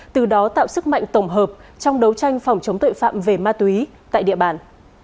từ đó tạo sức mạnh tổng hợp trong đấu tranh phòng chống tội phạm về ma túy tại địa bàn